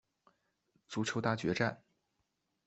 足球大决战！